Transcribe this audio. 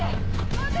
待て！